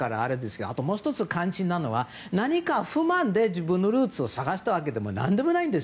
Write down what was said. あと、もう１つ肝心なのは何か不満で自分のルーツを探したわけではないんです。